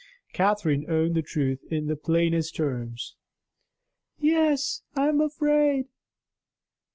Catherine owned the truth in the plainest terms: "Yes, I am afraid."